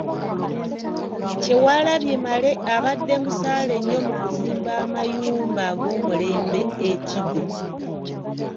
Kyewalabye Male abadde musaale nnyo mu kuzimba amayumba ag’omulembe e Kigo.